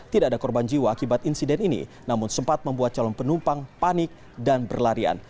tidak ada korban jiwa akibat insiden ini namun sempat membuat calon penumpang panik dan berlarian